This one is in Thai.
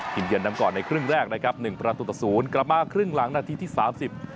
เยือนนำก่อนในครึ่งแรกนะครับหนึ่งประตูต่อศูนย์กลับมาครึ่งหลังนาทีที่สามสิบ